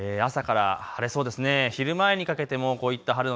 朝から晴れそうですね。